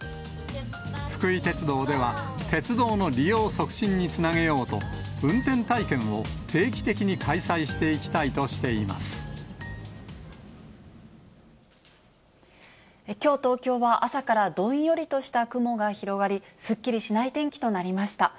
福井鉄道では、鉄道の利用促進につなげようと、運転体験を定期的に開催していききょう、東京は朝からどんよりとした雲が広がり、すっきりしない天気となりました。